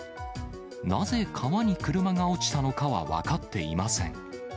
なぜ、川に車が落ちたのかは分かっていません。